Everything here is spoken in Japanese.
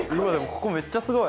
ここめっちゃすごい。